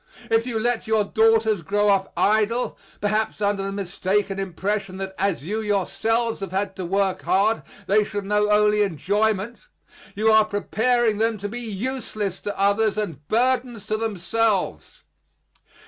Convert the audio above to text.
If you let your daughters grow up idle, perhaps under the mistaken impression that as you yourselves have had to work hard they shall know only enjoyment, you are preparing them to be useless to others and burdens to themselves.